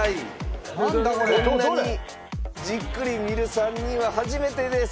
こんなにじっくり見る３人は初めてです。